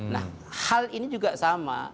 nah hal ini juga sama